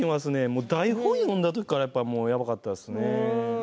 もう台本読んだ時からやっぱ、もうやばかったですね。